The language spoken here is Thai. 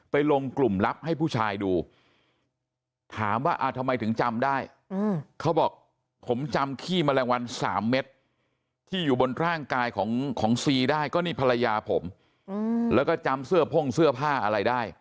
ไปลงกลุ่มลับให้ผู้ชายดูถามว่าอ่ะทำไมถึงจำได้